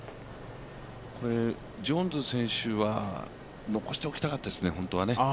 ジョーンズ選手は残しておきたかったですね、本当はね。